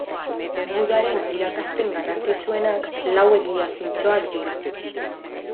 Budaren irakaspen garrantzitsuenak Lau Egia Zintzoak dira.